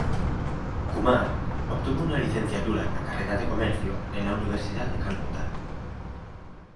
Kumar obtuvo una licenciatura en la carrera de Comercio en la Universidad de Calcuta.